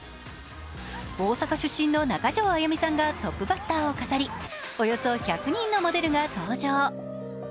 大阪出身の中条あやみさんがトップバッターを飾りおよそ１００人のモデルが登場。